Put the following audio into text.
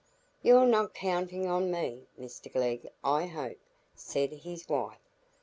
"You're not counting on me, Mr Glegg, I hope," said his wife.